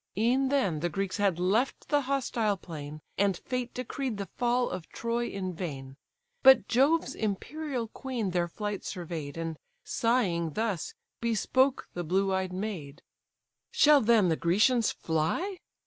E'en then the Greeks had left the hostile plain, And fate decreed the fall of Troy in vain; But Jove's imperial queen their flight survey'd, And sighing thus bespoke the blue eyed maid: "Shall then the Grecians fly!